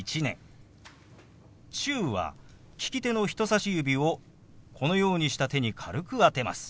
「中」は利き手の人さし指をこのようにした手に軽く当てます。